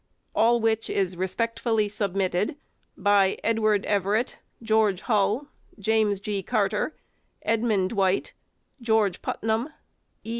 All which is respectfully submitted by EDWARD EVERETT, GEORGE HULL, JAMES G. CARTER, EDMUND DWIGHT, GEORGE PUTNAM, E.